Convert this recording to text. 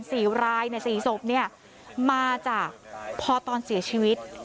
สีรายในสีศพมาจากพ่อตอนเสียชีวิต